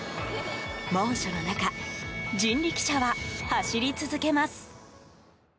猛暑の中人力車は走り続けます。